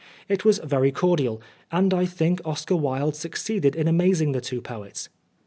It was very cordial, and I think Oscar Wilde succeeded in amazing the two poets.